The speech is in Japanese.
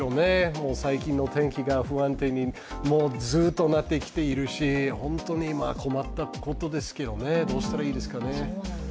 もう最近の天気が不安定にずっとなってきているし本当に困ったことですけど、どうしたらいいですかね。